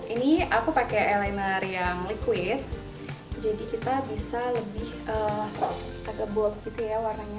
ini aku pakai elinar yang liquid jadi kita bisa lebih tega bol gitu ya warnanya